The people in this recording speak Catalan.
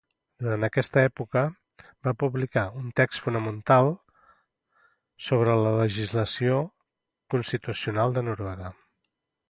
Durant aquesta època, va publicar un text fonamental sobre la legislació constitucional de Noruega.